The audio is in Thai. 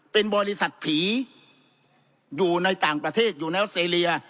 เป็นบริษัทผีอยู่ในต่างประเทศอยู่แล้วเซเลีย